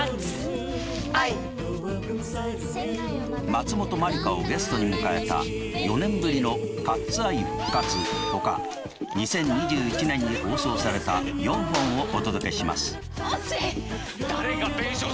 松本まりかをゲストに迎えた４年ぶりのカッツ・アイ復活ほか２０２１年に放送された４本をお届けします。